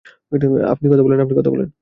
আপনি কথা বলেন।